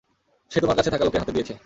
সে তোমার কাছে থাকা লোকের হাতে দিয়েছে।